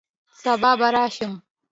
سبا به راشم